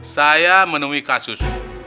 saya menemui kasus